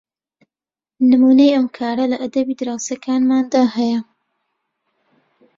نمونەی ئەم کارە لە ئەدەبی دراوسێکانماندا هەیە